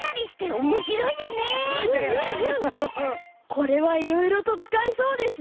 これはいろいろとつかえそうですね。